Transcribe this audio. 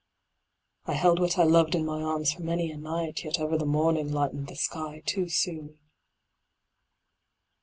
I held what I loved in my arms for many a night, Yet ever the morning lightened the sky too soon.